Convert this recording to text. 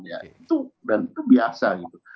ya itu dan itu biasa gitu